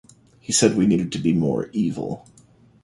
He said we needed to be more evil.